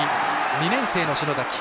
２年生の篠崎。